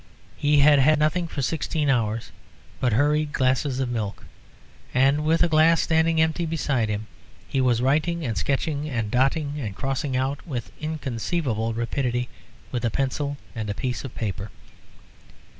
He had had nothing for sixteen hours but hurried glasses of milk, and, with a glass standing empty beside him, he was writing and sketching and dotting and crossing out with inconceivable rapidity with a pencil and a piece of paper.